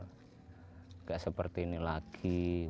tidak seperti ini lagi